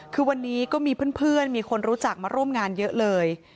คือวันนี้ก็มีเพื่อนมีคนรู้จักมาร่วมงานเยอะเลย